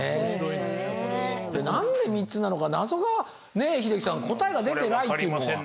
何で３つなのか謎がねえ英樹さん答えが出てないっていうのが。